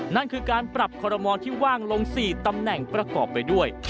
นั่นคือการปรับคอรมอลที่ว่างลง๔ตำแหน่งประกอบไปด้วย